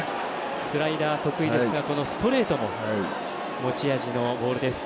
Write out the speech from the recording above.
スライダー得意ですがストレートも持ち味のボールです。